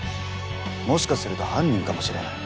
もしかすると犯人かもしれない。